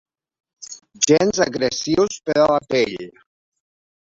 Gens agressius per a la pell.